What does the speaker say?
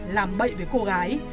làm bậy với cô gái